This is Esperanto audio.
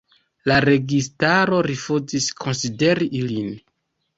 La registaro rifuzis konsideri ilin.